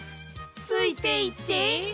ついていって？